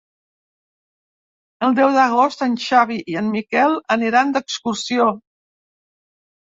El deu d'agost en Xavi i en Miquel aniran d'excursió.